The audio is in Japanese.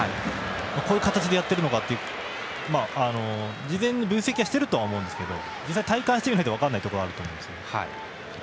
こういう形でやっているのかっていう事前に分析はしていると思いますけど実際に体感してみないと分からないところはあると思います。